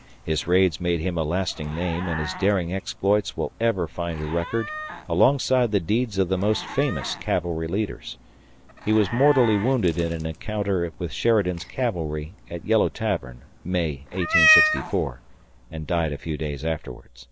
His raids made him a lasting name and his daring exploits will ever find a record alongside the deeds of the most famous cavalry leaders. He was mortally wounded in an encounter with Sheridan's cavalry at Yellow Tavern, May, 1864, and died a few days afterward.